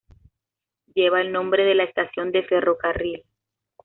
Lleva el nombre de la estación de ferrocarril.